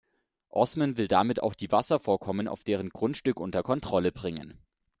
Osman will damit auch die Wasservorkommen auf deren Grundstück unter Kontrolle bringen.